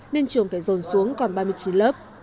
nên trường phải dồn xuống còn ba mươi chín lớp